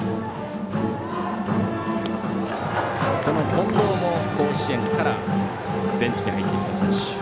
近藤も甲子園からベンチに入ってきた選手。